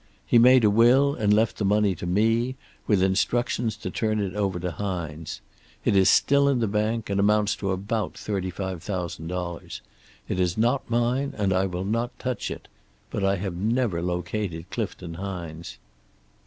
He made a will and left the money to me, with instructions to turn it over to Hines. It is still in the bank, and amounts to about thirty five thousand dollars. It is not mine, and I will not touch it. But I have never located Clifton Hines.